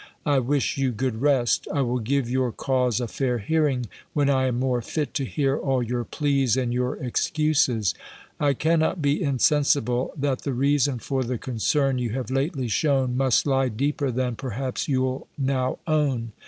I wish you good rest. I will give your cause a fair hearing, when I am more fit to hear all your pleas, and your excuses. I cannot be insensible, that the reason for the concern you have lately shewn, must lie deeper than, perhaps, you'll now own.